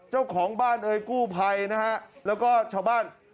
เจ้าของบ้านเก้าไภนะฮะแล้วก็ชาวบ้าน